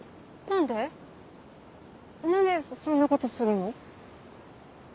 何でそんなことするの？